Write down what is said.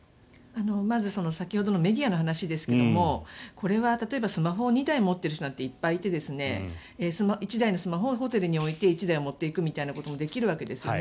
まず、先ほどのメディアの話ですけれどもこれは例えばスマホを２台持っている人なんていっぱいいて１台のスマホをホテルに置いて１台を持っていくということもできるわけですよね。